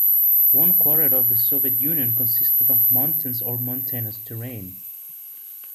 One-quarter of the Soviet Union consisted of mountains or mountainous terrain.